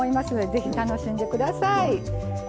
ぜひ楽しんでください。